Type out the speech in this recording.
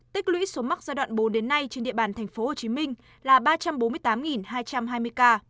tích lũy số mắc giai đoạn bốn đến nay trên địa bàn tp hcm là ba trăm bốn mươi tám hai trăm hai mươi ca